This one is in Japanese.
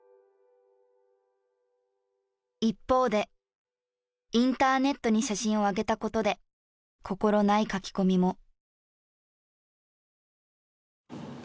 一方でインターネットに写真をあげたことで心ない書き込みも。